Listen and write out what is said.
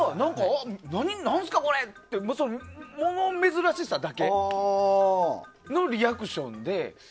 なんすかこれ！って物珍しさだけのそのリアクションで。